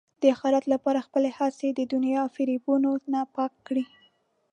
د اخرت لپاره خپلې هڅې د دنیا فریبونو نه پاک کړئ.